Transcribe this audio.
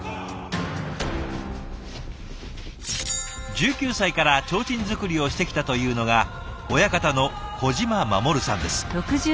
１９歳から提灯作りをしてきたというのが親方の小嶋護さんです。